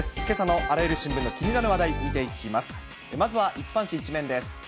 けさのあらゆる新聞の気になる話題、見ていきます。